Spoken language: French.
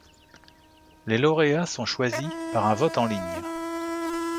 Les lauréats sont choisis par un vote en ligne.